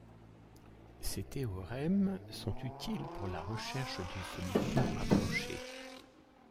Ces théorèmes sont utiles pour la recherche de solutions approchées.